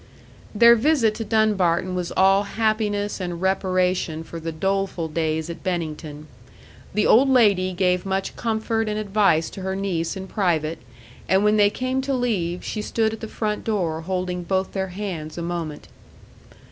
Their visit to Dunbarton was all happiness and reparation for the doleful days at Bennington. The old lady gave much comfort and advice to her niece in private, and when they came to leave, she stood at the front door holding both their hands a moment.